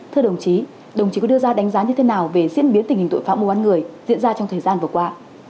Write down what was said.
thưa đồng chí đồng chí có đưa ra đánh giá như thế nào về diễn biến tình hình tội phạm mua bán người diễn ra trong thời gian vừa qua